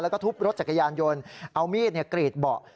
แล้วก็ทุบรถจักรยานยนต์เอามีดกรีดเบาะ